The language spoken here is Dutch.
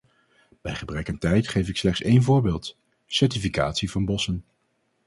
Bij gebrek aan tijd geef ik slechts één voorbeeld: certificatie van bossen.